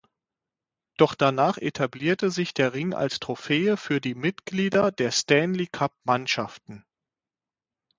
Doch danach etablierte sich der Ring als Trophäe für die Mitglieder der Stanley-Cup-Mannschaften.